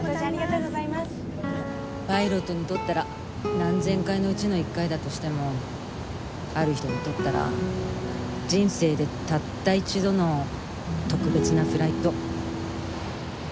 パイロットにとったら何千回のうちの１回だとしてもある人にとったら人生でたった一度の特別なフライト。